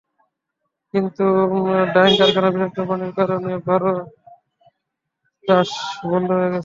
কিন্তু ডাইং কারখানার বিষাক্ত পানির কারণে বোরো চাষ বন্ধ হয়ে গেছে।